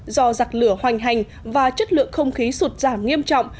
do giặc lửa hoành hành và chất lượng không khí sụt giảm nghiêm trọng